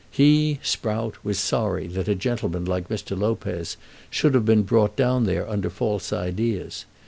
He, Sprout, was sorry that a gentleman like Mr. Lopez should have been brought down there under false ideas.